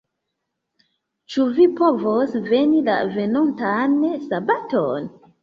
Ĉu vi povos veni la venontan sabaton?